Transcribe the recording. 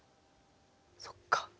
そっか！